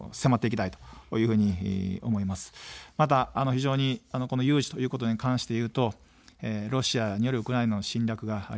また非常に、この有事ということに関して言うと、ロシアによるウクライナの侵略がありました。